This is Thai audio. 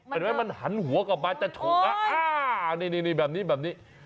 เป็นไหมมันหันหัวกลับมาจะนี่แบบนี้